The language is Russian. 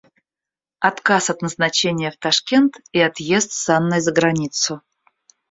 Отказ от назначения в Ташкент и отъезд с Анной за границу.